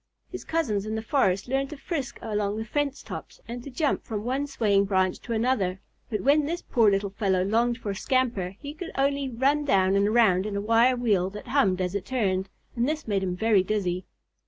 His cousins in the forest learned to frisk along the fence tops and to jump from one swaying branch to another, but when this poor little fellow longed for a scamper he could only run around and around in a wire wheel that hummed as it turned, and this made him very dizzy.